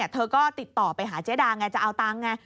เธอก็ติดต่อไปหาเจ๊ดาไงจะเอาตังค์ไง